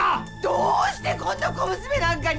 どうしてこんな小娘なんかに。